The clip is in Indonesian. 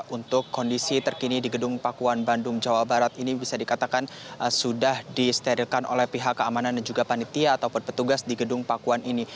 untuk kondisi terkini di gedung pakuan bandung jawa barat ini bisa dikatakan sudah disterilkan oleh pihak keamanan dan juga panitia ataupun petugas di gedung pakuan ini